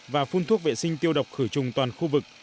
và phun thuốc vệ sinh tiêu độc khử trùng toàn khu vực